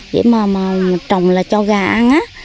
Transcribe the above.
vậy mà trồng là cho gà ăn á